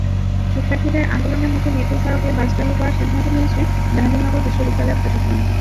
শিক্ষার্থীদের আন্দোলনের মুখে মিরপুর সড়কে বাস চালু করার সিদ্ধান্ত নিয়েছে জাহাঙ্গীরনগর বিশ্ববিদ্যালয় প্রশাসন।